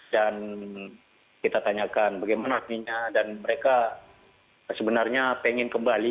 dan kita tanyakan bagaimana akminya dan mereka sebenarnya pengen kembali